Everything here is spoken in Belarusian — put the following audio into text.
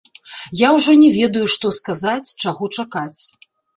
Я ўжо не ведаю, што сказаць, чаго чакаць.